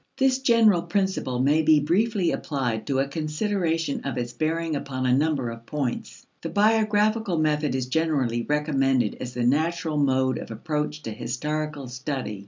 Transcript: This general principle may be briefly applied to a consideration of its bearing upon a number of points. The biographical method is generally recommended as the natural mode of approach to historical study.